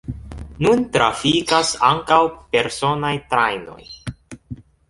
Nun trafikas ankaŭ personaj trajnoj.